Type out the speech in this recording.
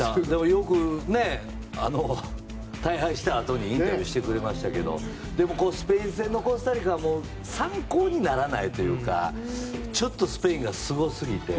よく大敗したあとにインタビューしてくれましたけどでもスペイン戦のコスタリカは参考にならないというかスペインがすごすぎて。